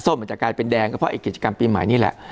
มันจะกลายเป็นแดงก็เพราะไอ้กิจกรรมปีใหม่นี่แหละ